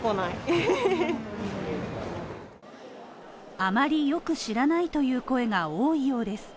あまりよく知らないという声が多いようです。